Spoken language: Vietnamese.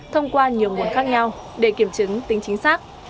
thông qua nhiều nguồn khác nhau để kiểm chứng tính chính xác